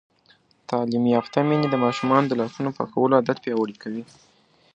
تعلیم یافته میندې د ماشومانو د لاسونو پاکولو عادت پیاوړی کوي.